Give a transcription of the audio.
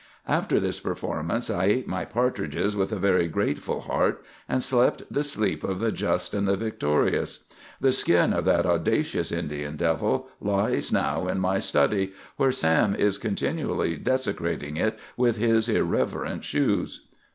"After this performance, I ate my partridges with a very grateful heart, and slept the sleep of the just and the victorious. The skin of that audacious Indian devil lies now in my study, where Sam is continually desecrating it with his irreverent shoes."